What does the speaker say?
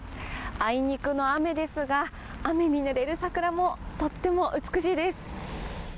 あいにくの雨ですが、雨にぬれる桜もとっても美しいです。